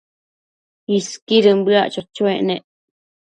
Isquidën bëac cho-choec nec